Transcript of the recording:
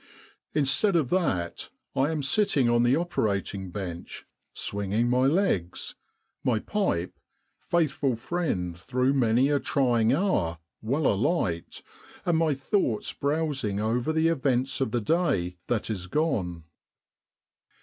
Instead of that, I am sitting on the operating bench swinging my legs, my pipe faithful friend through many a trying hour well alight, and my thoughts browsing over the events of the day that is gone.